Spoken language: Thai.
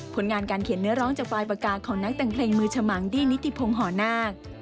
ผลงานการเขียนเนื้อร้องจากปลายปากกาของนักแต่งเพลงมือฉมังดี้นิติพงศ์หอนาค